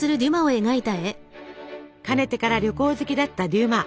かねてから旅行好きだったデュマ。